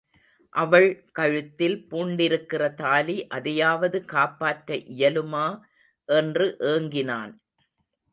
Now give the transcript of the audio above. அவள் கழுத்தில் பூண்டிருக்கின்ற தாலி அதையாவது காப்பாற்ற இயலுமா என்று ஏங்கினான்.